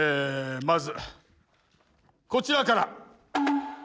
まずこちらから。